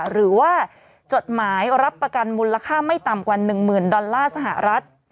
หรือว่าจดหมายรับประกันมูลค่าไม่ต่ำกว่า๑๐๐๐ดอลลาร์สหรัฐ